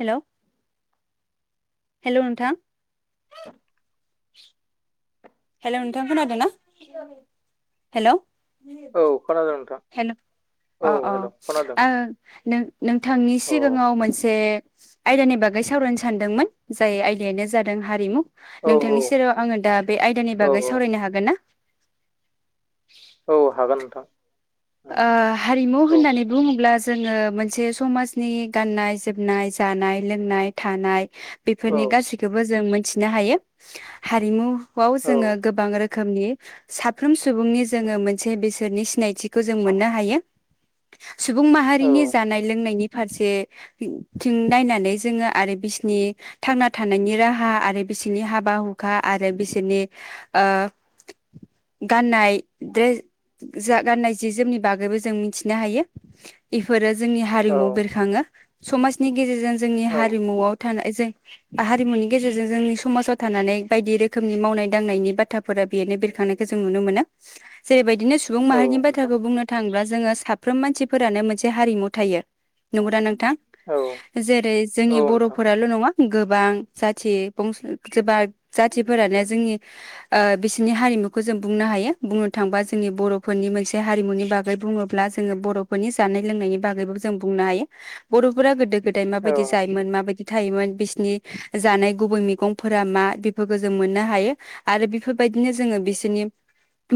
Hello hello नोंथां? Hello नोंथां खोनादोंना हेलौ? औ खोनादों। नोंथां हेल? अ औ अ हेल' खोनादों आङो नों नोंथांनि औ सिगाङाव मोनसे आयदानि बागै सावरायनो सानदोंमोन जाय आयदायानो जादों हारिमु औ नोंथांनि सेराव आङो दा बे आयदानि औ बागै औ सावरायनो हागोन ना? औ हागोन नोंथां। औ ओ हारिमु औ होननानै बुङोब्ला जोङो मोनसे समाजनि गाननाय जोमनाय जानाय लोंनाय थानाय औ बेफोरनि गासैखोबो जों मोनथिनो हायो हारिमुआव औ जोङो गोबां रोख खोमनि साफ्रोम सुबुंनि जोङो मोनसे बिसोरनि सिनायथि खौ जों मोननो हायो सुबुं औ माहारिनि जानाय लोंनायनि फारसे थिं नायनानै जोङो आरो बिसिनि थांना थानायनि राहा आरो बिसिनि हाबा हुखा आरो बिसोरनि ओ गाननाय द्रेस जा गाननाय जि जोमनि बागैबो जों मिथिनो हायो बेफोरो जोंनि औ हारिमुाव बेरखाङो समाजनि गेजेरजों जोंनि औ हारिमुआव थानाय जों हारिमुनि गेजेरजों जोंनि समाजाव थानानै बायदि रोखोमनि मावनाय दांनायनि बाथ्राफोरा बेरो बेरखां मोननायखौ जों नुनो मोनो जेरैबायदिनो सुबुं औ माहारिनि नोंथां बाथ्राखौ बुंनो थाङोब्ला जोङो साफ्रोम मानसिफोरानो मोनसे हारिमु थायो नंगौना नों थां औ जेरै जोंनि औ नोंथां बरफोराल नङा गोबां जाथि [unintelligible] जाथिफोरानो जोंनि ओ बिसोरनि हारि बेखौ जों बुंनो हायो बुंनो थांबा जोंनि बरफोरनि मोनसे बे हारिमुनि बागै बुङोब्ला जोङो बरफोरनि जानाय लोंनायनि बागैबो जों बुंनो हायो बरफोरा गोदो गोदाय औ माबायदि जायोमोन माबायदि थायोमोन बिसिनि जानाय गुबै मैगंफोरा मा बेफोरखौ जों मोननो हायो आरो बेफोरबायदि बिदिनो जोङो बिसिनि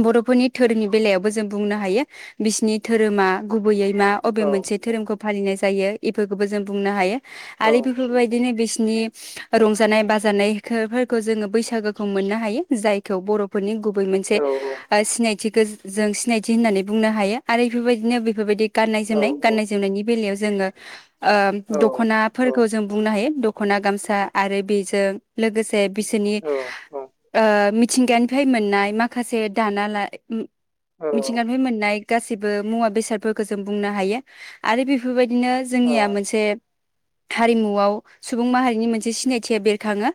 बरफोरनि दोरोंनि बेलायावबो जों बुंनो हायो बिसिनि धोरोमा गुबैयै मा अबे औ मोनसे धोरोमखौ फालिनाय जायो इफोरखौबो जों बुंनो हायो औ आरो इफोरखौ बायदिनो बिस नि रंजानाय बाजानायखो फोरखौ जोङो बैसागोखौ मोननो हायो जायखौ बरफोरनि गुबै मोनसे औ ओ सिनायथिखो जों सिनायथि होननानै बुंनो हायो आरो एफोरबायदिनो बेफोरबायदि गाननाय जोमनाय गाननाय जोमनायनि बेलायाव जोङो ओ औ दखनाफोरखौ जों बुंनो हायो दखना गामसा आरो बेजों लोगोसे बिसोरनि औ ओ मिथिंगानिफ्राय मोननाय माखासे दाना ला मिथिंगानिफ्राय मोननाय गासैबो मुवा बेसादफोरखौ जों बुंनो हायो आरो बेफोरबायदिनो जों निया मोनसे हारिमुआव सुबुं माहारिनि मोनसे सिनायथिया बेरखाङो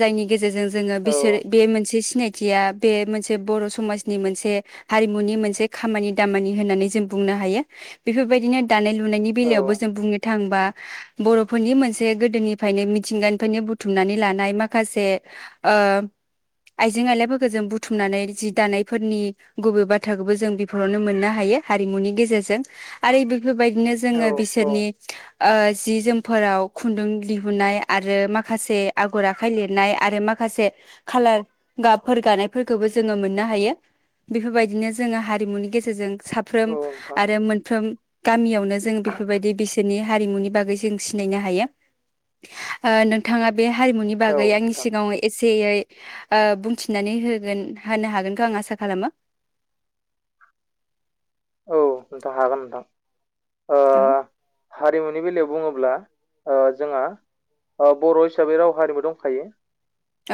जायनि गेजेरजों जोङो बिसोर बे मोनसे सिनायथिया बे मोनसे बर' समाजनि मोनसे हारिमुनि मोनसे खामानि दामानि होननानै जों बुंनो हायो बेफोरबायदिनो दानाय लुनायनि बेलायावबो जों बुंनो थाङोबा बर'फोरनि मोनसे गोदोनिफ्रायनो मिथिंगानिफ्रायनो बुथुमनानै लानाय माखा से ओ आइजें आइलाफोरखौ जों बुथुमनानै जि दानायफोरनि गुबै बाथ्राखौबो जों बेफोरावनो मोननो हायो हारिमुनि गेजेरजों आरो बेफोरबायदिनो जोङो बिसोरनि ओ जि जोमफोराव खुन्दुं दिहुनाय आरो माखासे आगर आखाइ लिरनाय आरो मा माखासे खालार गाबफोर गानायफोरखौबो जोङो मोननो हायो। बेफोरबायदिनो जोङो हारिमुनि गेजेरजों साफ्रोम नोंथां आरो मोनफ्रोम गामियावनो जों बेफोरबायदि बिसोरनि हारिमुनि बागै जों सिनायनो हायो ओ नोंथाङा बे हारिमुनि औ बागै आंनि नोंथां सिगाङाव एसेयै ओ बुंथिनानै होगोन होनो हागोनखौ आं आसा खालामो। औ नोंथां हागोन नोंथां। ओ औ। हारिमुनि बेलायाव बुङोब्ला ओ जोंङा ओ बर' हिसाबै राव हारिमु दंखायो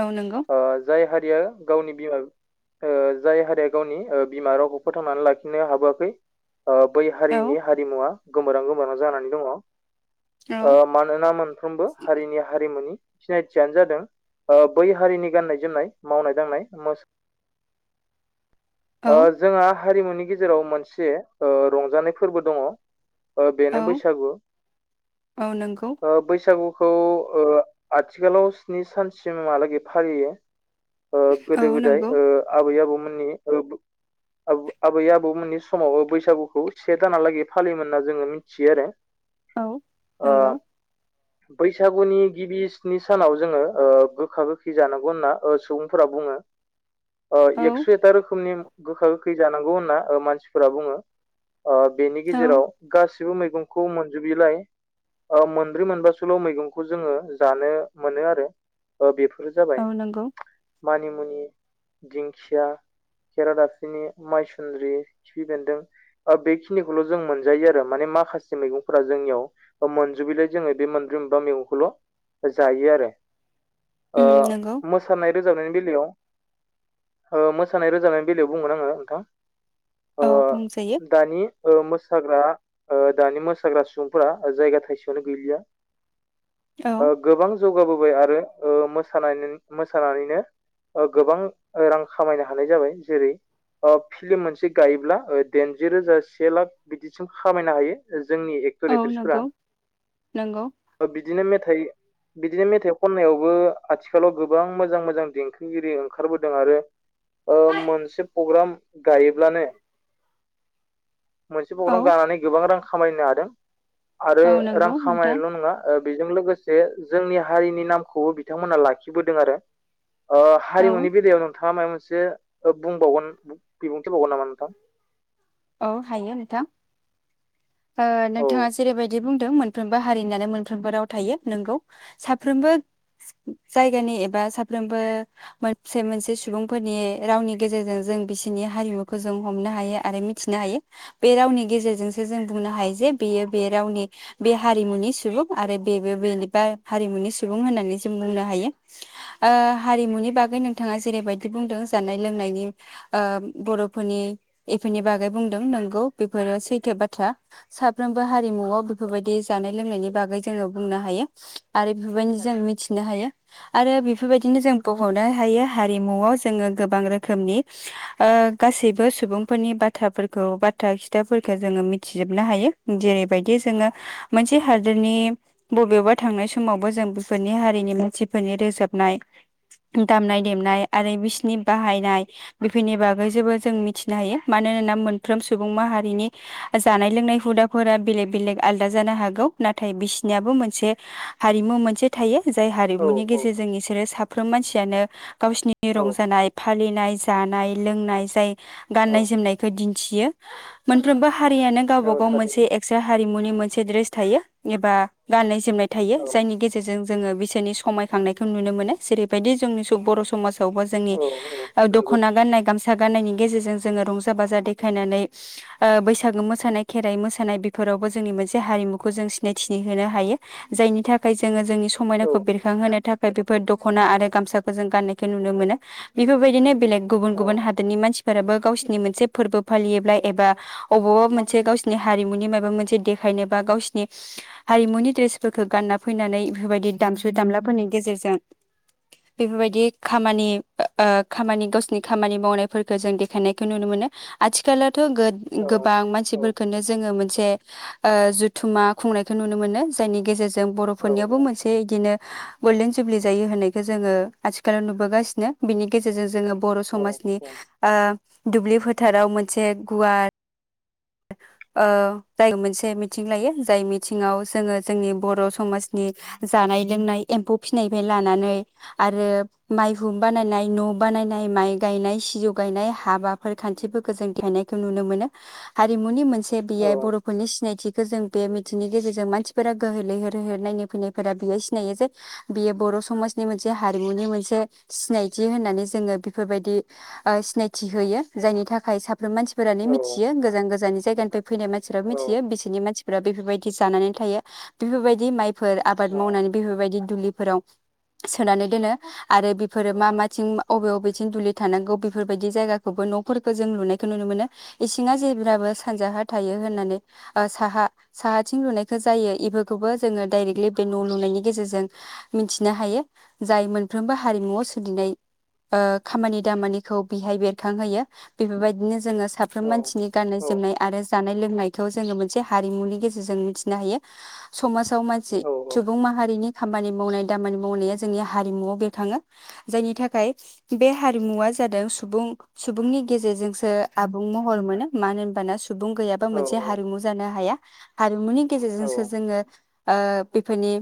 औ नंगौ ओ जाय हारि बेयो गावनि बिमा ओ जाय हारिया गावनि ओ बिमा रावखौ फोथांनानै लाखिनो हाबो आखै बै औ हारिनि हारिमुवा गोमोरां गोमोरां जानानै दङ। ओ औ मानोना मोनफ्रोमबो हारिनि हारिमुनि सिनायथियानो जादों ओ बै हारिनि गाननाय जोमनाय मावनाय दांनाय मो ओ औ जोंहा हारिमुनि गेजेराव मोनसे ओ रंजानाय फोरबो दङ। ओ औ बेनो बैसागु। औ नंगौ ओ बैसागु खौ आथिखालाव स्नि सानसिमहालागै फालियो। ओ औ गोदो गोदाय नंगौ ओ आबै आबौमोननि ओ [inaudible] आबै आबौमोननि समाव बैसागुखौ से दानालागै फालियोमोन होनना जोङो मिथियो आरो‌ औ नंगौ। बैसागुनि गिबि स्नि सानाव जोङो ओ गोखा गोखै जानांगौ होनना ओ सुबुंफोरा बुं बुङो। औ ओ एक्स' एकटा रोखोमनि गोखा गोखै जानांगौ होनना मानसिफोरा बुङो। ओ बेनि औ गेजेराव गासिबो मैगंखौ मोनजोबैलाय ओ मोनब्रै मोनबासोल मैगंखौ जोङो जानो मोनो आरो ओ बेफोर औ नंगौ। मानिमुनि दिंखिया खरादाफनि माइसुन्द्रि खिफि बेन्दों बेखिनिखौल' जों मोनजायो आरो माने मा माखासे मैगंफोरा जोंनियाव मोनजुबैलाय जोङो बे मोनब्रै मोनबा मैगंखौल' जायो आरो। ओ उम नंगौ मोसानाय रोजाबनायनि बेलायाव ओ मोसानाय रो मोसानायनि बेलायाव बुंगोन आङो नोंथां ओ औ बुंजायो दानि ओ मोसाग्रा ओ दानि मोसाग्रा सुबुंफोरा जायगा थाइसेआवनो गैलिया औ ओ गोबां जौगाबोबाय आरो ओ मोसानो मोसानानैनो ओ गोबां रां खामायनो हानाय जाबाय जेरै ओ फिल्म मोनसे गायोब्ला दायेनजि रोजा से लाख बिदिसिम खामायनो हायो। जोंनि एक्टर औ एक्ट्रिसफोरा नंगौ नंगौ ओ बिदिनो मेथाइ बिदिनो मेथाइ खननायावबो आथिखालाव गोबां मोजां मोजां देंखोगिरि ओंखारबोदों आरो ओ मोनसे फग्राम गायोब्लानो मोनसे औ फग्राम गानानै गोबां रां खामायनो हादों आरो औ रां नंगौ नोंथां खामायनायल' बेजों लोगोसे जोंनि हारिनि नामखौबो बिथांमोना लाखिबोदों आरो। ओ औ हारिमुनि बेलायाव नोंथाङा माबा मोनसे बुंबावगोन बिबुं [inaudible] औ हायो नोंथां। ओ औ नोंथाङा जेरैबायदि बुंदों मोनफ्रोमबो हारिनानो मोनफ्रोमबो राव थायो नोंगौ साफ्रोमबो जायगानि एबा साफ्रोमबो मोनसे मोनसे सुबुंफोरनि रावनि गेजेरजों जों जों बिसिनि हारिमु खौ जों हमनो हायो आरो मिथिनो हायो बे रावनि गेजेरजोंसो जों बुंनो हायो जे बेयो बे रावनि बे हारिमुनि सुबुं आरो बेबो बेनिबा हारिमुनि सुबुं होननानै जों बुंनो हायो। ओ हारिमुनि बागै नोंथाङा जेरैबायदि बुंदों जानाय लोंनायनि ओ बर' नि बेफोरनि बागै बुंदों नोंगौ बेफोरो सैथो बाथ्रा साफ्रोमबो हारिमुआव बेफोरबायदि जानाय लोंनायनि बागै जोङो बुंनो हायो आरो बेफोरबायदि जों मिथिनो हायो आरो बेफोरबायदिनो जों बुंब'नो हायो हारिमुआव जोङो गोबां रोखोमनि ओ गासैबो सुबुंफोरनि बाथ्राफोरखौ बाथ्रा खिथाफोरखौ जोङो मिथिजोबनो हायो जेरैबायदि जोङो मोनसे हादोरनि बबेबा थांनाय समावबो जों बिफोरोरनि हारिनि मानसिफोरनि रोजोबनाय दामनाय देनाय आरो बिसिनि बाहायनाय बेफोरनि बाग बै जेबो जों मिथिनो हायो मानोना मोनफ्रोम सुबुं माहारिनि जानाय लोंनाय हुदाफोरा बेलेक बेलेग आलदा जानो हागौ नाथाय बिसिनियाबो मोनसे हारिमु मोनसे थायो। जाय औ हारिमुनि औ गेजेरजों इसोरो साफ्रोम मानसियानो गावसिनि औ रंजानाय फालिनाय जानाय लोंनाय जाय औ गाननाय जोमनायखो दिन्थियो मोनफ्रोमबो हारियानो औ गावबा गाव मोनसे थारैनो एक्स्रा हारिमुनि मोनसे द्रेस थायो एबा गान्नाय जोमनाय थायो औ जायनि गेजेरजों जोङो बिसोरनि समायखांनायखौ नुनो मोनो जेरैबायदि जोंनि बर' समाज आवबो जोंनि औ औ नंगौ दख'ना गानाय गामसा गाननायनि गेजेरजों जोङो रंजा बाजा देखायनानै ओ बैसागो मोसानाय खेराइ मोसानाय बेफोरावबो जोंनि मोनसे हारिमुखौ जों सिनायथि होनो हायो जायनि थाखाय जोङो जोंनि औ समायनाखौ बेरखांहोनो थाखाय बेफोर दख'ना आरो गामसाखौ जों गाननायखौ नुनो मोनो बेफोरबायदिनो बेलेग गुबुन गुबुन नंगौ हादोरनि मानसिफोराबो गावसोरनि मोनसे फोरबो फालियोब्ला एबा अबावबा मोनसे गावसिनि हारिमुनि नि माबा मोनसे देखायनोबा गावसिनि हारिमुनि द्रेसफोरखो गानना फैनानै बेबायदि दाजु दामलाफोरनि गेजेर जों बेफोरबायदि खामानि ओ खामानि गावसिनि खामानि मावनायफोरखौ जों देखायनायखौ नुनो मोनो आथिखालाव थ' गोद औ गोबां औ मानसिफोरफोरखोननो जोङो मोनसे बे ओ जुथुम्मा खुंनायखौ नुनो मोनो जायनि गेजेरजों औ बर'फोरनियावबो मोनसे इदिनो गल्डेन जुब्लि जायो होननायखौ जोङो आथिखालाव नुबोगासिनो बिनि गेजेरजों जोङो बर' औ समाजनि औ आ दुब्लि फोथाराव मोनसे गुवार ओ जाय मोनसे मिटिं लायो जाय मिथिङाव जोङो जोंनि बर' समाजनि जानाय लोंनाय एफ्मौ फिसिनायनिफ्राय लानानै आरो माइहुं बानायनाय न' बा बानायनाय माइ गायनाय सिजौ गायनाय हाबाफोर खान्थिफोरखौ जों गायनायखौ नुनो मोनो। हारिमुनि मोनसे औ बेयो बर'फोरनि सिनायथिखो जों बे मिथिंनि गेजेरजों मानसिफोरा गोहो लैहोर लैहोर नायनो फैनायफोरा बियो सिनायो जे बियो बर' समाज बिनि मोनसे हारिमुनि मोनसे सिनायथि होननानै जोङो बेफोरबायदि आ सिनायथि होयो। जायनि थाखाय साफ्रोम मानसिफोरानो औ मिथियो गोजान गोजाननि जायगानिफ्राय फैनाय मानसिफोराबो मिथियो बिसिनि मानसि बेफोरबायदि जानानै थायो बेफोरबायदि माइफोर आबाद मावनानै बेफोरबायदि दुलिफोराव सोनानै दोनो आरो बेफोरो मा माथिं बबे बबेथिं दुलि थानांगौ बेफोरबायदि जायगाखौबो न'फोरखो जों लुनायखौ नुनो मोनो इसिङा जे [unintelligible] सानजाहा थायो होननानै ओ साहा साहाथिं लुनायखौ जायो इबोखौबो जोङो डाइरेक्टलि बे न' लुनायनि गेजेरजों मिथिनो हायो जाय मोनफ्रोमबो हारिमुआव सोलिनाय ओ खामानि दामानिखौ बेहाय बेरखांहोयो बेफोरबायदिनो जोङो साफ्रोम मानसिनि गाननाय जोमनाय औ आरो जानाय लोंनायखौ जोङो मोनसे हारिमुनि गेजेरजों मिथिनो हायो समाज मानसि सुबुं माहारिनि खामानि मावनाय दामानि मावनाया जोंनि हारिमुाव बेरखाङो जायनि थाखाय बे हारिमुवा जादों सुबुं सुबुंनि गेजेरजोंसो आबुं महर मोनो। मानो होनबाना सुबुं गैयाबा मोनसे हारिमु जानो हाया हारिमुनि औ गेजेरजोंसो जोङो बेफोरनि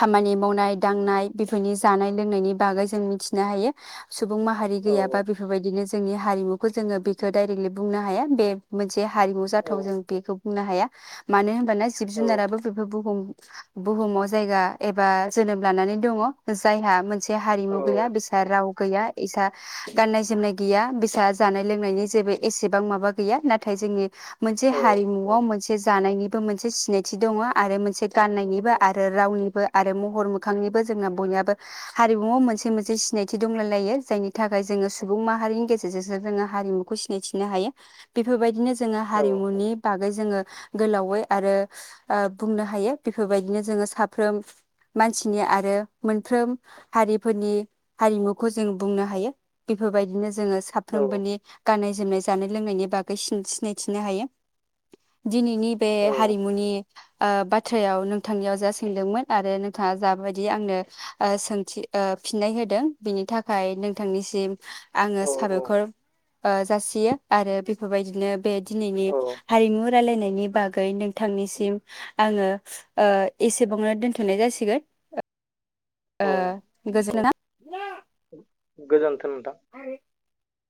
खामानि मावनाय दांनाय बेफोरनि जानाय लोंनायनि बागै जों मिथिनो हायो। सुबुं माहारि गैयाबा बेफोरबायदिनो जोंनि हारिमुखौ जोङो बेखौ डाइरेक्टलि बुंनो हाया बे मोनसे जे हारिमु औ जाथाव जों बेखौ बुंनो हाया मानो होनबाना जिब जुनाराबो बे बुहुमाव जायगा एबा जोनोम लानानै दङ जायहा मोनसे हारिमु गैया बिसोर राव गैया इसा गाननाय जोमनाय गैया बिसा जानाय लोंनायनि जेबो एसे माबा गैयान नाथाय जोंनि मोनसे हारिमु आव मोनसे जानायनि मोनसे सिनायथि दङ आरो मोनसे गाननायनिबो आरो रावनिबो आरो महर मोखांनिबो जोंना बयनि हारिमुाव मोनसे मोनसे सिनायथि दंलायलायो जायनि थाखाय जोङो सुबुं माहारिनि गेजेरजों जों हारिमुखौ सिनायथिनो हायो बेफोरबायदिनो जोङो हारिमुनि बागै जोङो गोलावै आरो बुंनो ओ हायो बेफोरबायदिनो जोङो साफ्रोम मानसिनि आरो मोनफ्रोम हारिफोरनि हारिमुखौ जों बुंनो हायो बे बेफोरबायदिनो जोङो साफ्रोमबोनि गाननाय जोमनाय जानाय लोंनायनि बागै सिनायथिनो हायो। दिनैनि बे हारिमुनि ओ बाथ्रायाव नोंथांनियाव जा सोंदोंमोन आरो नोंथाङा जाबायदि आंनो आ सोंथि ओ फिननाय होदों बेनि थाखाय नोंथांनिसिम आङो साबायखर ओ जासियो। आरो बेफोरबायदिनो बे दिनैनि हारिमु रायलायनायनि बागै नोंथांनिसिम आङो ओ एसेबांनो दोनथ'नाय जासिगोन। ओ गोजोना गोजोन्थों नोंथां।